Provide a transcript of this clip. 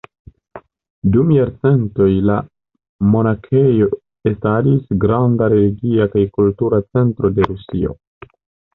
Dum jarcentoj la monakejo estadis granda religia kaj kultura centro de Rusio.